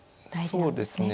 そうですね。